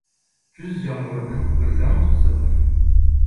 كۈز يامغۇرىنىڭ بىر رەڭ قۇتىسى بار.